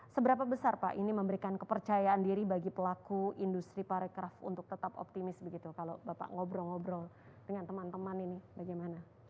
seberapa besar pak ini memberikan kepercayaan diri bagi pelaku industri parekraf untuk tetap optimis begitu kalau bapak ngobrol ngobrol dengan teman teman ini bagaimana